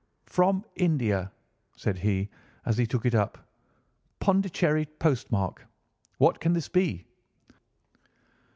'From India!' said he as he took it up, 'Pondicherry postmark! What can this be?